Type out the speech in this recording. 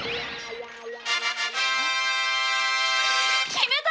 決めた！